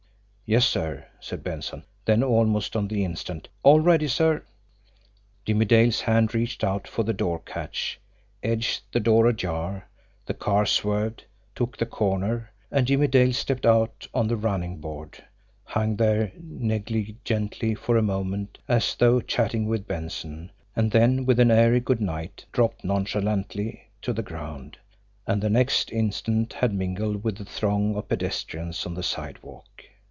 "Yes, sir," said Benson; then, almost on the instant, "All ready, sir!" Jimmie Dale's hand reached out for the door catch, edged the door ajar, the car swerved, took the corner and Jimmie Dale stepped out on the running board, hung there negligently for a moment as though chatting with Benson, and then with an airy "good night" dropped nonchalantly to the ground, and the next instant had mingled with the throng of pedestrians on the sidewalk.